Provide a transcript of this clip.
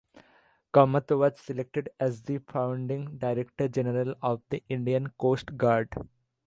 Kamath was selected as the founding Director General of the Indian Coast Guard.